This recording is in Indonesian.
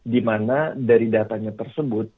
dimana dari datanya tersebut